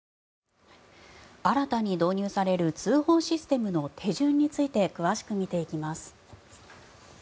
新たに導入される通報システムの手順について詳しく見ていきます。